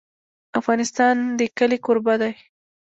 افغانستان د کلي کوربه دی.